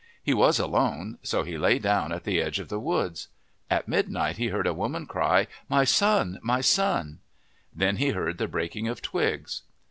He was alone, so he lay down at the edge of the woods. At midnight he heard a woman cry, " My son ! my son !' Then he heard the breaking of twigs.